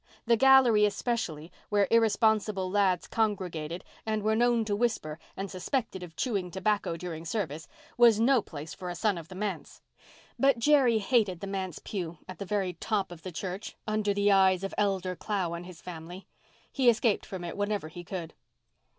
The gallery especially, where irresponsible lads congregated and were known to whisper and suspected of chewing tobacco during service, was no place, for a son of the manse. But Jerry hated the manse pew at the very top of the church, under the eyes of Elder Clow and his family. He escaped from it whenever he could.